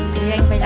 thì anh quay lại đi